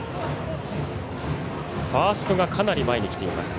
ファーストがかなり前に来ています。